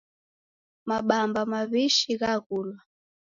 Mabamba mawishi ghaghulwa